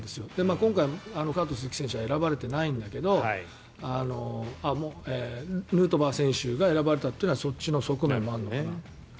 今回、カート・スズキ選手は選ばれていないんだけどヌートバー選手が選ばれたというのはそっちの側面もあるのかなと。